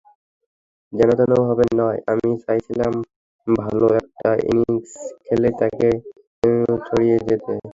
যেনতেনভাবে নয়, আমি চাইছিলাম ভালো একটা ইনিংস খেলেই তাঁকে ছাড়িয়ে যেতে।